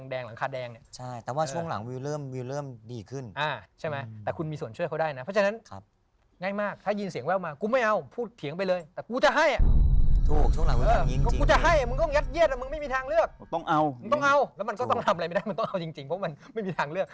มันก็ต้องทำอะไรไม่ได้มันต้องเอาจริงเพราะมันไม่มีทางเลือก